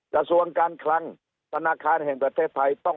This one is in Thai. กระทรวงการคลังธนาคารแห่งประเทศไทย